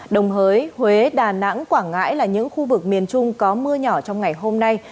đồng hới huế huế đà nẵng quảng ngãi là những khu vực miền trung có mưa nhỏ trong ngày hôm nay